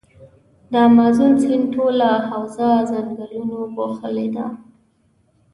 د مازون سیند ټوله حوزه ځنګلونو پوښلي ده.